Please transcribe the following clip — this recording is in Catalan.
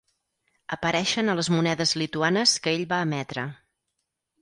Apareixen a les monedes lituanes que ell va emetre.